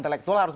biar keras kok